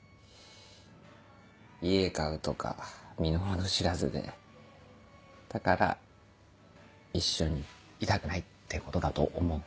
家買うとか身の程知らずでだから一緒にいたくないってことだと思う。